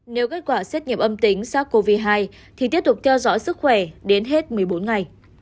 nếu kết quả xét nghiệm âm tính sars cov hai thì tiếp tục theo dõi sức khỏe đến hết một mươi bốn ngày